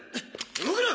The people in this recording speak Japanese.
動くな！